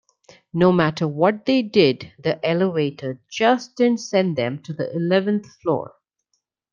No matter what they did, the elevator just didn't send them to the eleventh floor.